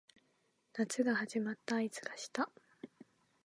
夏が始まった合図がした